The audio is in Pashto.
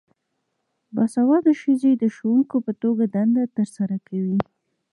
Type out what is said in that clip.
باسواده ښځې د ښوونکو په توګه دنده ترسره کوي.